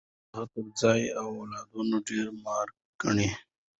هغه تر ځان اولادونه ډېر ماړه ګڼي.